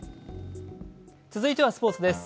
続いてはスポーツです。